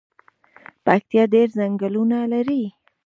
پکتیا ډیر ځنګلونه لري